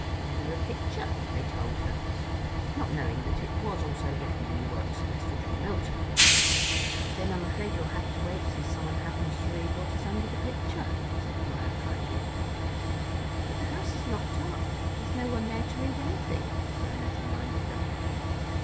"Under a picture" they told her, not knowing that it was also written in the works of Mr. John Milton. "Then I'm afraid you'll have to wait 'til someone happens to read what is under the picture," said Maia kindly. "But the house is locked up; there's no one there to read anything," Bernard reminded them.